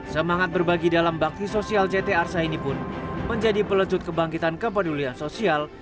semangat berbagi dalam bakti sosial jt arsa ini pun menjadi pelecut kebangkitan kepedulian sosial